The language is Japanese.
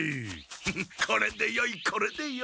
フフッこれでよいこれでよい。